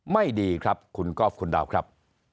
ไม่ดีครับคุณก๊อฟคุณดาวครับ